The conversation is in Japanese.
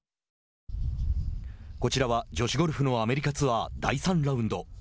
こちらは女子ゴルフのアメリカツアー、第３ラウンド。